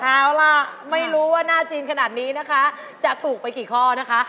เอาล่ะไม่รู้ว่าหน้าจีนขนาดนี้นะคะจะถูกไปกี่ข้อนะคะ